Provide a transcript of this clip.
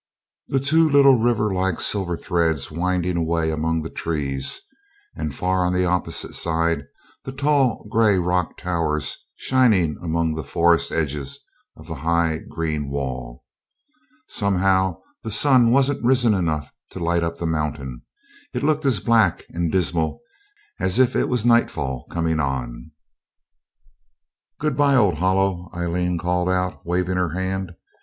The two little river like silver threads winding away among the trees, and far on the opposite side the tall gray rock towers shining among the forest edges of the high green wall. Somehow the sun wasn't risen enough to light up the mountain. It looked as black and dismal as if it was nightfall coming on. 'Good bye, old Hollow!' Aileen called out, waving her hand.